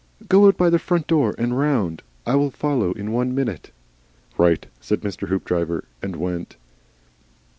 "Go out by the front door and round. I will follow in one minute." "Right!" said Mr. Hoopdriver, and went.